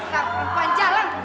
kamu perempuan jalan